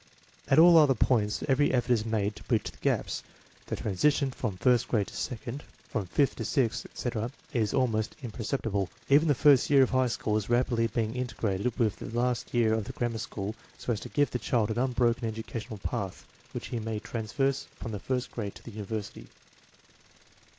At all other points every effort is made to bridge the gaps. The transition from first grade to second, from fifth to sixth, etc., is almost imperceptible. Even the first year of high school is rapidly being integrated with the last year of the grammar school so as to give the child an unbroken educational path which he may traverse from the first grade to the university.